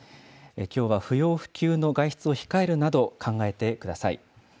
きょうは不要不急の外出を控えるなど、考えてください。